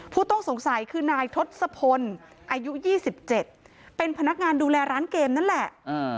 ผู้ต้องสงสัยคือนายทศพลอายุ๒๗เป็นพนักงานดูแลร้านเกมนั่นแหละ